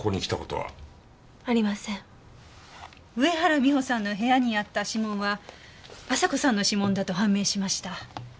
上原美帆さんの部屋にあった指紋は亜沙子さんの指紋だと判明しました。